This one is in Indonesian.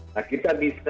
nah kita bisa